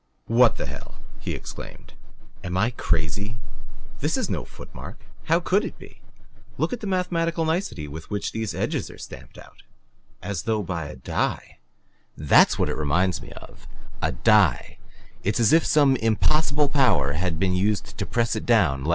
"What the hell!" he exclaimed, "am I crazy? This is no foot mark. How could it be? Look at the mathematical nicety with which these edges are stamped out as though by a die "That's what it reminds me of a die. It's as if some impossible power had been used to press it down.